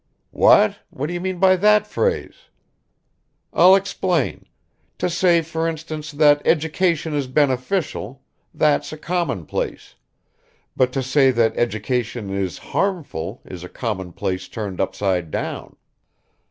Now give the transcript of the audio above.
"What? What do you mean by that phrase?" "I'll explain; to say for instance that education is beneficial, that's a commonplace, but to say that education is harmful is a commonplace turned upside down.